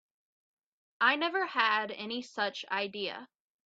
I never had any such idea.